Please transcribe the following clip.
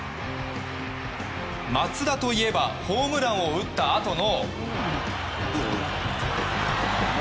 松田といえばホームランを打ったあとの。